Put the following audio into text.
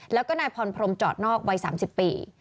แล้วก็นายพรพรมจอดนอกวัย๓๐ปี